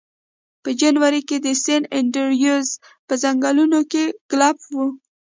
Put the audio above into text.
په جنوري کې د سن انډریوز په ځنګلونو کې ګلف و